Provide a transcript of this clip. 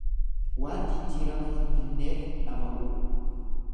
Waan jijjiirama hin finneef dhama'uu.